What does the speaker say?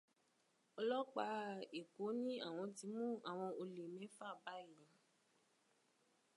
Ọlọ́pàá Èkó ní àwọn ti mú àwọn olè mẹ́fà báyìí.